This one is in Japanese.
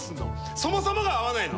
そもそもが合わないの。